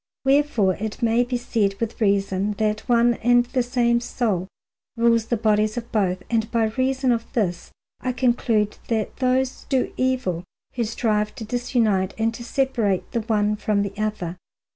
Wherefore it may be said with reason that one and the same soul rules the bodies of both, and by reason of this I conclude that those do evil who strive to disunite and to separate the one from the other.